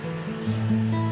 gak usah lo nyesel